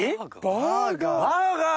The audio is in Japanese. バーガー？